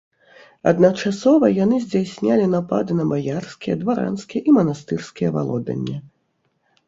Адначасова яны здзяйснялі напады на баярскія, дваранскія і манастырскія валодання.